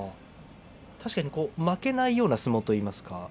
確かに負けないような相撲といいますか。